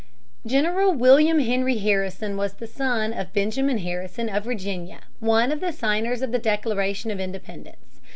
General William Henry Harrison was the son of Benjamin Harrison of Virginia, one of the signers of the Declaration of Independence.